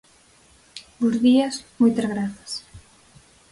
Bos días, moitas grazas.